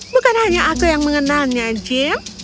bukan hanya aku yang mengenalnya jim